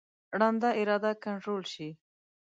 ړنده اراده کنټرول شي.